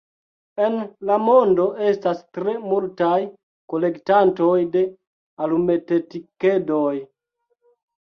En la mondo estas tre multaj kolektantoj de alumetetikedoj.